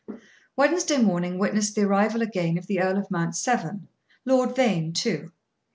Wednesday morning witnessed the arrival again of the Earl of Mount Severn. Lord Vane, too.